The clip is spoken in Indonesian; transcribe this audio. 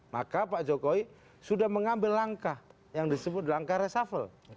maka pak jokowi sudah mengambil langkah yang disebut langkah resafel